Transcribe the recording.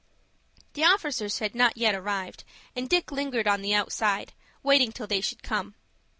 The officers had not yet arrived, and Dick lingered on the outside, waiting till they should come.